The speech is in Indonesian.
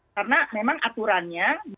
karena memang aturannya